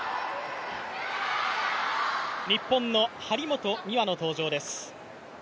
日本の張本美和の登場です。